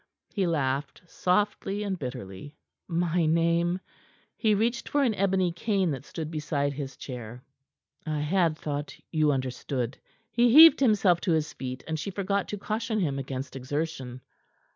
he laughed softly and bitterly. "My name?" He reached for an ebony cane that stood beside his chair. "I had thought you understood." He heaved himself to his feet, and she forgot to caution him against exertion.